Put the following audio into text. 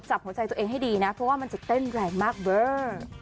จับหัวใจตัวเองให้ดีนะเพราะว่ามันจะเต้นแรงมากเบอร์